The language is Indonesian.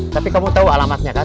tapi kamu tahu alamatnya kan